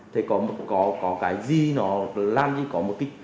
thầy có cái gì nó làm gì có một cái